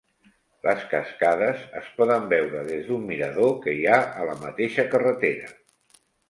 Les cascades es poden veure des d'un mirador que hi ha a la mateixa carretera.